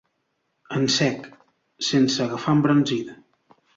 En sec. Sense agafar embranzida.